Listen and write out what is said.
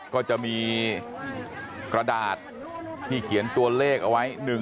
ก็จะมีกระดาษที่เขียนตัวเลขเอาไว้